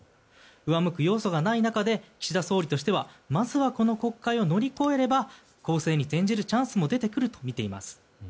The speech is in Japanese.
上向く要素がない中で岸田総理としてはまずはこの国会を乗り越えれば攻勢に転じるチャンスも出てくるとみています。